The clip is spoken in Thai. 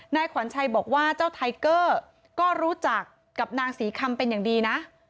ขวัญชัยบอกว่าเจ้าไทเกอร์ก็รู้จักกับนางศรีคำเป็นอย่างดีนะ